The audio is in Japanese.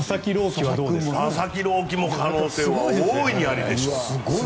希も可能性は大いにあります。